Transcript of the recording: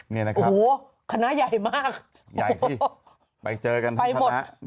นี่นะครับโอ้โหคณะใหญ่มากโอ้โหไปเจอกันทั้งคณะไปหมด